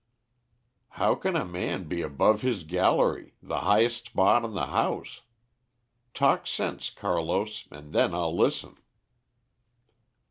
"How can a man be above his gallery the highest spot in the house? Talk sense, Carlos, and then I'll listen."